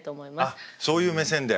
あっそういう目線で。